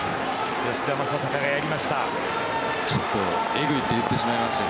吉田正尚がやりました。